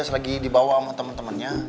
selagi dibawa sama temen temennya